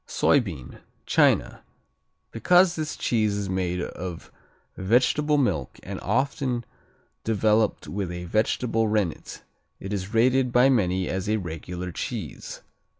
Soybean China Because this cheese is made of vegetable milk and often developed with a vegetable rennet, it is rated by many as a regular cheese.